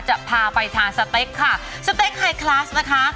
จะพาไปทานสเต็กค่ะสเต็กไฮคลาสนะคะ